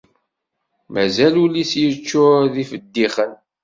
mazal ul-is yeččur d ifeddixen.